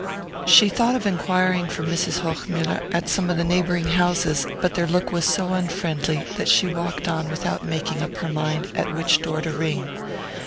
She thought of enquiring for Mrs. Hochmuller at some of the neighbouring houses, but their look was so unfriendly that she walked on without making up her mind at which door to ring.